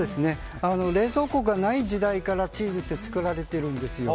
冷蔵庫がない時代からチーズって作られているんですよ。